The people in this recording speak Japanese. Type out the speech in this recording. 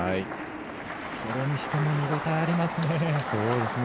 それにしても見応えありますね。